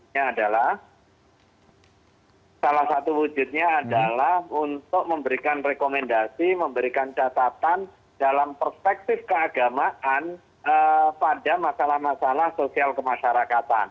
ini adalah salah satu wujudnya adalah untuk memberikan rekomendasi memberikan catatan dalam perspektif keagamaan pada masalah masalah sosial kemasyarakatan